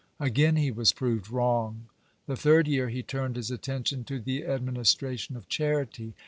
Again he was proved wrong. The third year, he turned his attention to the administration of charity.